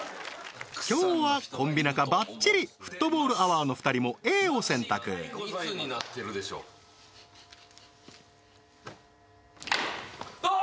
今日はコンビ仲バッチリフットボールアワーの２人もＡを選択ああー！